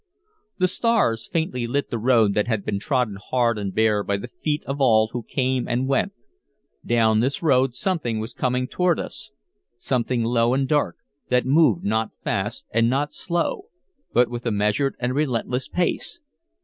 The stars faintly lit the road that had been trodden hard and bare by the feet of all who came and went. Down this road something was coming toward us, something low and dark, that moved not fast, and not slow, but with a measured and relentless pace.